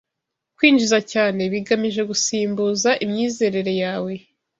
Kwinjiza cyane bigamije gusimbuza imyizerere yawe